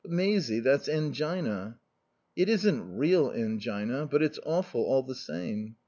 "But, Maisie, that's angina." "It isn't real angina; but it's awful, all the same.